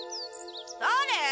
だれ？